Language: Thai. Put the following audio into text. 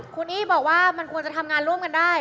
คุณอี้บอกว่ามันควรจะทำงานร่วมกันได้